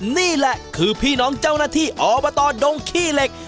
นี่แหละคือพี่น้องเจ้าหน้าที่อบตดงขี้เหล็ก